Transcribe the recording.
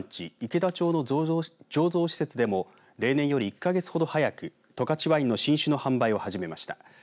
池田町の醸造施設でも例年より１か月ほど早く十勝ワインの新酒の販売を始めました。